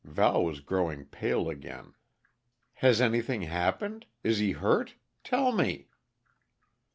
Val was growing pale again. "Has anything happened? Is he hurt? Tell me!"